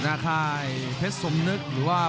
กรรมการเตือนทั้งคู่ครับ๖๖กิโลกรัม